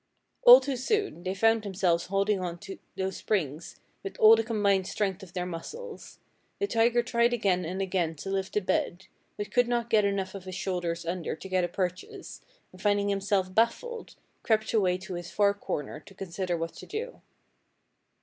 "All too soon they found themselves holding on to those springs with all the combined strength of their muscles. The tiger tried again and again to lift the bed, but could not get enough of his shoulders under to get a purchase, and finding himself baffled, crept away to his far corner to consider what to do.